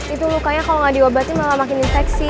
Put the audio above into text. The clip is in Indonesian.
itu lukanya kalau nggak diobatin malah makin infeksi